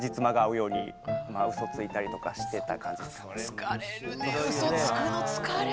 疲れるねウソつくの疲れる。